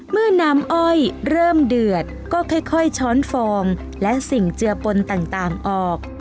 เมื่อน้ำอ้อยเริ่มเดือดก็ค่อยช้อนฟองและสิ่งเจือปนต่างออก